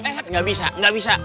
eh eh eh gak bisa gak bisa